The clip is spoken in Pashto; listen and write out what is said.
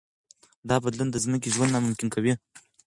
دا بدلون د ځمکې ژوند ناممکن کوي.